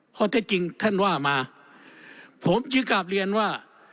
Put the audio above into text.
เพราะถ้าจริงท่านว่ามาผมจึงกลับเรียนว่า